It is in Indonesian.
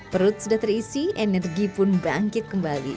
perut sudah terisi energi pun bangkit kembali